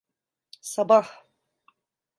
Sabah…